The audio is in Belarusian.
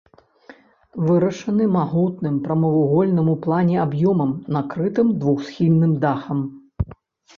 Вырашаны магутным прамавугольным ў плане аб'ёмам, накрытым двухсхільным дахам.